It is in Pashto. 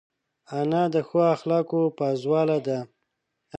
انا د ښو اخلاقو پازواله ده